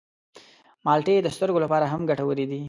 مالټې د سترګو لپاره هم ګټورې دي.